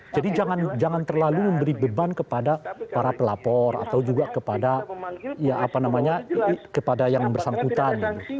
jadi jangan terlalu memberi beban kepada para pelapor atau juga kepada ya apa namanya kepada yang bersangkutan